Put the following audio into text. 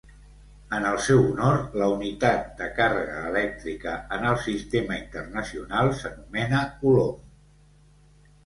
En el seu honor la unitat de càrrega elèctrica en el Sistema Internacional s'anomena coulomb.